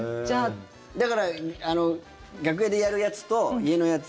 だから、楽屋でやるやつと家のやつ